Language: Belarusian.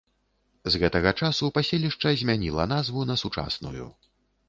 З гэтага часу паселішча змяніла назву на сучасную.